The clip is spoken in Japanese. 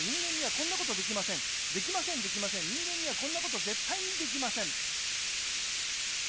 できませんできません人間にはこんなことぜったいにできません